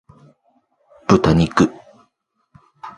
豚肉